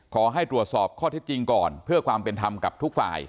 ขอให้ตรวจสอบข้อเท็จจริงก่อนเพื่อความเป็นธรรมกับทุกฝ่าย